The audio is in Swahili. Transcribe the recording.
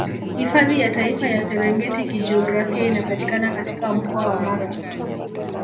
Hifadhi ya Taifa ya Serengeti Kijiografia inapatikana katika Mkoa wa Mara